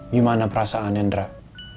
gimana perasaan yang draft